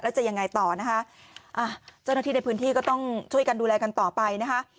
แล้วจะยังไงต่อนะคะอ่ะเจ้าหน้าที่ในพื้นที่ก็ต้องช่วยกันดูแลกันต่อไปนะคะ